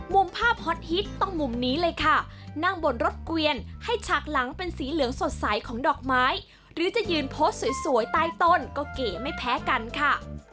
มุมภาพฮอตฮิตต้องมุมนี้เลยค่ะนั่งบนรถเกวียนให้ฉากหลังเป็นสีเหลืองสดใสของดอกไม้หรือจะยืนโพสต์สวยใต้ต้นก็เก๋ไม่แพ้กันค่ะ